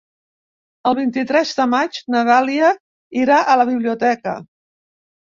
El vint-i-tres de maig na Dàlia irà a la biblioteca.